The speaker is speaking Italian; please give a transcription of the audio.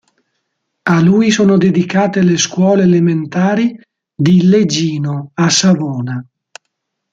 A lui sono dedicate le scuole elementari di Legino, a Savona.